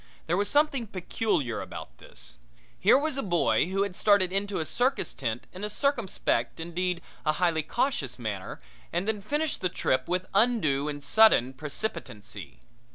There was something peculiar about this. Here was a boy who had started into a circus tent in a circumspect, indeed, a highly cautious manner, and then finished the trip with undue and sudden precipitancy.